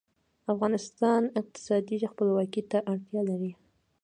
افغانستان اقتصادي خپلواکۍ ته اړتیا لري